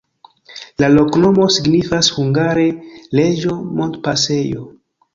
La loknomo signifas hungare: reĝo-montpasejo.